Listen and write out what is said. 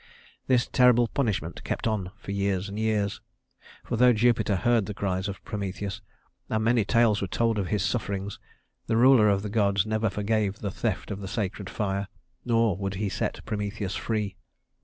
This terrible punishment kept on for years and years; for though Jupiter heard the cries of Prometheus, and many tales were told of his sufferings, the ruler of the gods never forgave the theft of the sacred fire, nor would he set Prometheus free.